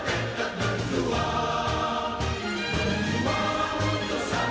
jalakan kawan hati bergerakan